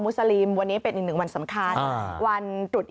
สลิมวันนี้เป็นอีกหนึ่งวันสำคัญวันตรุษ